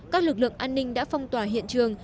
các lực lượng an ninh đã phong tỏa hiện trường